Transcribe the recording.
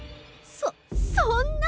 そそんな！